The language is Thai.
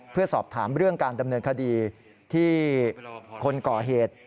เพื่อสอบถามเรื่องการดำเนินคดีที่คนก่อเหตุ